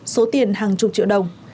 số tiền hàng chục triệu đồng